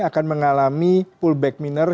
akan mengalami pullback minor